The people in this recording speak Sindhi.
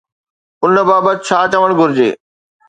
ان بابت ڇا چوڻ گهرجي؟